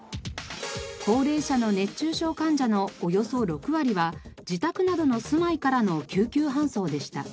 高齢者の熱中症患者のおよそ６割は自宅などの住まいからの救急搬送でした。